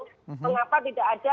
mengapa tidak ada